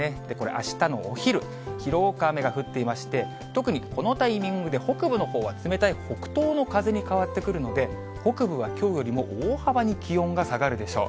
あしたのお昼、広く雨が降っていまして、特にこのタイミングで北部のほうは冷たい北東の風に変わってくるので、北部はきょうよりも大幅に気温が下がるでしょう。